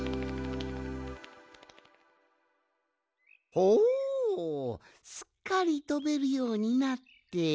ほおすっかりとべるようになって。